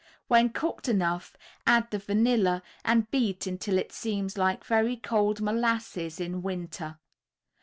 When cooked enough, add the vanilla and beat until it seems like very cold molasses in winter.